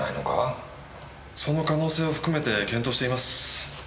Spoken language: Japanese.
その可能性を含めて検討しています。